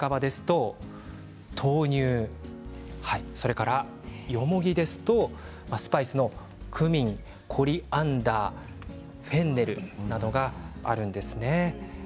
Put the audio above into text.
ハンノキ、シラカバですと豆乳それからヨモギですとスパイス、クミン、コリアンダーフェンネルなどがあります。